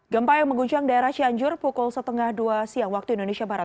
gempa yang mengguncang daerah cianjur pukul setengah dua siang waktu indonesia barat